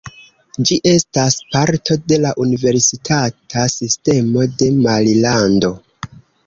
Ĝi estas parto de la Universitata Sistemo de Marilando.